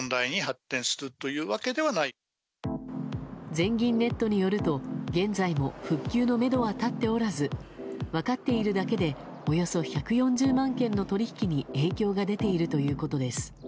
全銀ネットによると現在も復旧のめどは立っておらず分かっているだけでおよそ１４０万件の取引に影響が出ているということです。